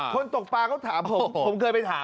ตกปลาเขาถามผมผมเคยไปถาม